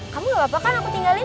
kamu gak apa apa kan aku tinggalin